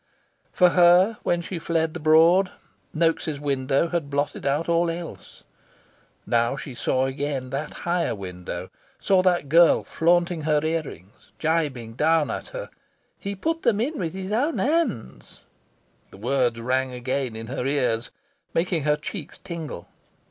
For her, when she fled the Broad, Noaks' window had blotted out all else. Now she saw again that higher window, saw that girl flaunting her ear rings, gibing down at her. "He put them in with his own hands!" the words rang again in her ears, making her cheeks tingle.